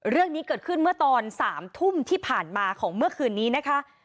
เรื่องนี้เกิดขึ้นเมื่อตอน๓ทุ่มที่ผ่านมาของเมื่อคืนนี้นะคะ